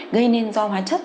gây nên do hóa chất